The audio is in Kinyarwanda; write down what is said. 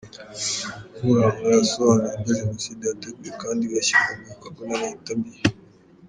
Nkuranga yasobanuye uburyo Jenoside yateguwe kandi igashyirwa mu bikorwa na leta mbi.